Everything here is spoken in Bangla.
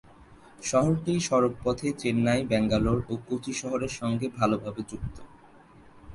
শহরটি সড়ক পথে চেন্নাই, ব্যাঙ্গালোর ও কোচি শহরের সঙ্গে ভালো ভাবে যুক্ত।